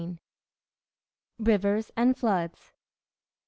RIVERS AND FLOODS.